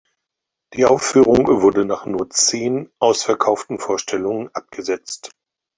Die Aufführung wurde nach nur zehn ausverkauften Vorstellungen abgesetzt.